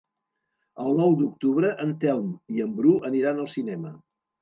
El nou d'octubre en Telm i en Bru aniran al cinema.